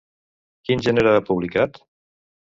Quin gènere ha publicat?